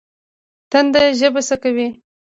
تنده ژبه څه کوي؟